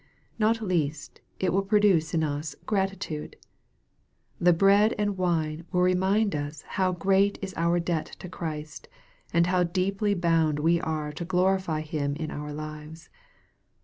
Not least, it will produce in us gratitude. The bread and wine will remind us how great is our debt to Christ, and how deeply bound we are to glorify Him in our lives.